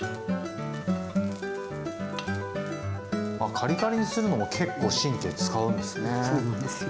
カリカリにするのも結構神経遣うんですね。